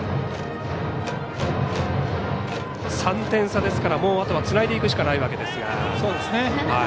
３点差ですからあとはつないでいくしかないわけですが。